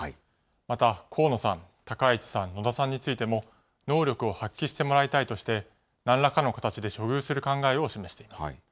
また、河野さん、高市さん、野田さんについても、能力を発揮してもらいたいとして、なんらかの形で処遇する考えを示しています。